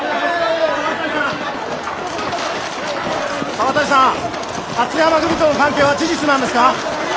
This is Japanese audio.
沢渡さん勝山組との関係は事実なんですか？